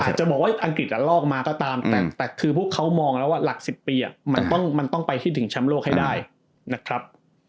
อาจจะบอกว่าอังกฤษลอกมาก็ตามแต่คือพวกเขามองแล้วว่าหลัก๑๐ปีมันต้องไปคิดถึงแชมป์โลกให้ได้นะครับ